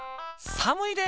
さむいで！